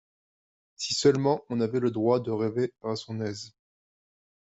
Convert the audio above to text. Si seulement on avait le droit de rêver à son aise !